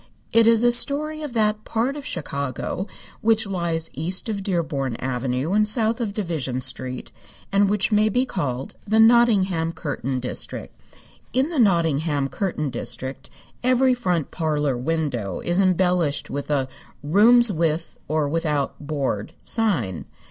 It is a story of that part of Chicago which lies east of Dearborn Avenue and south of Division Street, and which may be called the Nottingham curtain district. In the Nottingham curtain district every front parlor window is embellished with a "Rooms With or Without Board" sign.